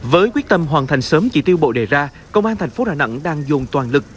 với quyết tâm hoàn thành sớm chỉ tiêu bộ đề ra công an thành phố đà nẵng đang dồn toàn lực